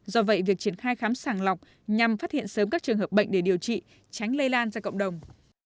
do vậy việc triển khai khám sàng lọc nhằm phát hiện sớm các trường hợp bệnh để điều trị tránh lây lan ra cộng đồng